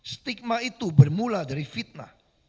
stigma itu bermula dari fitnah